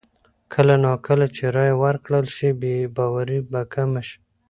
کله نا کله چې رایه ورکړل شي، بې باوري به کمه شي.